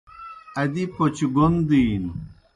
ادی پوْچ گوْن دِینوْ۔